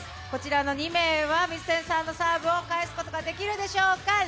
こちらの２名は水谷さんのサーブを返すことができるでしょうか。